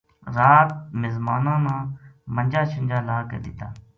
رات مِزماناں نا منجا شنجا لا کے دتا